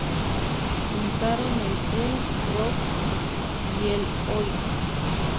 Juntaron el punk-rock y el Oi!